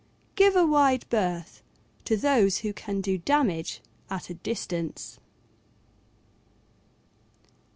Give a wide berth to those who can do damage at a distance.